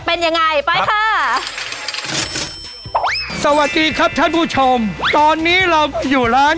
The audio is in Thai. เป็นยังไงไปค่ะสวัสดีครับท่านผู้ชมตอนนี้เราอยู่ร้าน